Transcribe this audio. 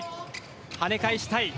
跳ね返したい。